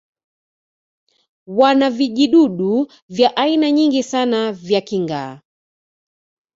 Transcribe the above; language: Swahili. wana vijidudu vya aina nyingi sana vya kinga